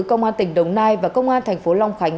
công an tỉnh đồng nai và công an thành phố long khánh